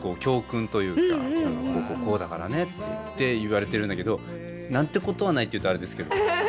「こうこうこうだからね」って言われてるんだけど何てことはないっていうとあれですけど。